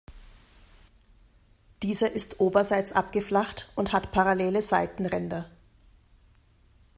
Dieser ist oberseits abgeflacht und hat parallele Seitenränder.